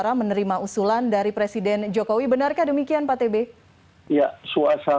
jenderal andika perkasa